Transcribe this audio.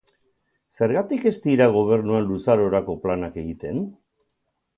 Zergatik ez dira gobernuan luzarorako planak egiten?